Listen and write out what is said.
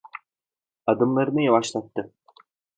Adımlarını yavaşlattı.